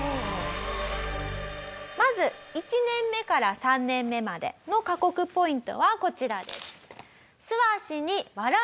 まず１年目から３年目までの過酷ポイントはこちらです。